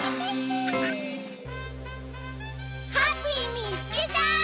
ハッピーみつけた！